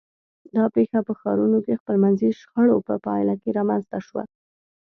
دا پېښه په ښارونو کې خپلمنځي شخړو په پایله رامنځته شوه.